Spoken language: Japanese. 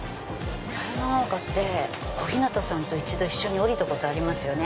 狭山ヶ丘って小日向さんと一度一緒に降りたことありますよね。